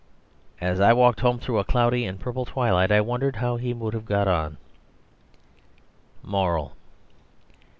As I walked home through a cloudy and purple twilight I wondered how he would have got on. Moral.